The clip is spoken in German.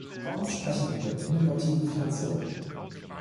Warum besprechen wir innovative Finanzierung?